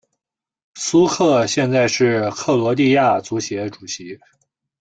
苏克现在是克罗地亚足协主席。